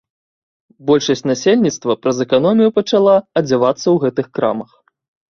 Большасць насельніцтва праз эканомію пачала адзявацца ў гэтых крамах.